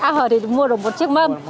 a hờ thì mua được một chiếc mâm